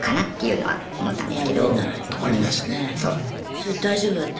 それ大丈夫だった？